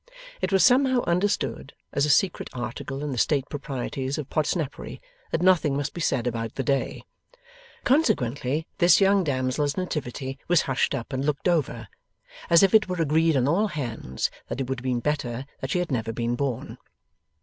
It was somehow understood, as a secret article in the state proprieties of Podsnappery that nothing must be said about the day. Consequently this young damsel's nativity was hushed up and looked over, as if it were agreed on all hands that it would have been better that she had never been born.